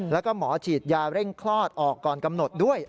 แล้วก็หมอฉีดยาเร่งคลอดออกก่อนกำหนดด้วย